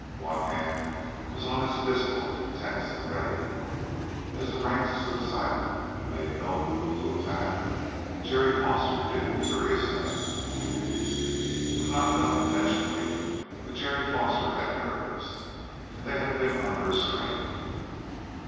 One hand was on his pistol, tense and ready. As the ranks stood silent and made no move to attack, Jerry Foster did a curious thing. It was not done intentionally, but Jerry Foster had nerves, and they had been under a strain.